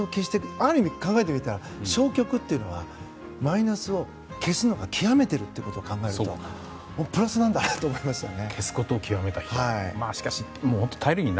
ある意味考えてみたら「消極」っていうのはマイナスを消すのが極めているって考えるとプラスなんだなって思いましたね。